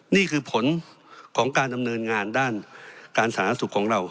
นี่คือผลของการดำเนินงานด้านการสาธารณสุขของเรา